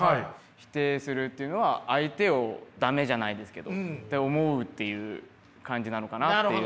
否定するっていうのは相手をダメじゃないですけどって思うっていう感じなのかなっていう。